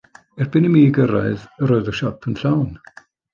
Erbyn i mi gyrraedd, yr oedd y siop yn llawn.